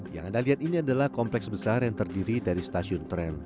yang anda lihat ini adalah kompleks besar yang terdiri dari stasiun tren